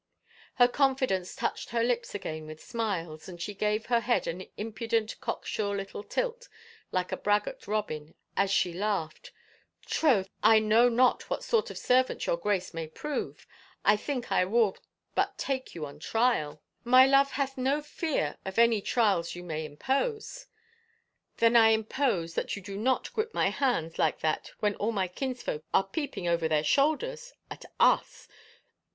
Her confidence touched her lips again with smiles, and she gave her head an impudent cock sure little tilt like a braggart robin, as she laughed, " Troth, I know not what sort of servant your Grace may prove! I think I will but take you on trial." 122 SECOND THOUGHTS " My love hath no fear of any trials you may impose !""" Then I impose that you do not grip my hands like that when all my kinsfolk are peeping over their shoulders, at us!